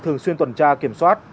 thường xuyên tuần tra kiểm soát